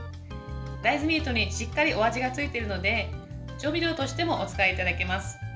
大豆ミートにしっかりお味がついているので調味料としてもお使いいただけます。